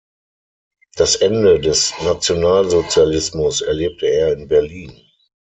Das Ende des Nationalsozialismus erlebte er in Berlin.